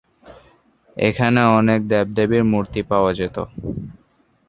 এখানে অনেক দেব-দেবীর মূর্তি পাওয়া যেত।